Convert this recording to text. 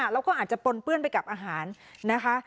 แล้วก็อาจจะปนเปื้อนไปกับอาหารนะคะ